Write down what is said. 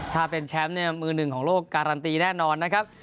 ถ้าเป็นแชมป์เนี่ยมือหนึ่งของโลกการันตีแน่นอนนะครับ